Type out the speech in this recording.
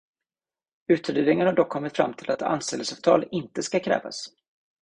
Utredningen har dock kommit fram till att ett anställningsavtal inte ska krävas.